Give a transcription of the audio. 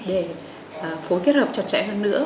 để phối kết hợp chặt chẽ hơn nữa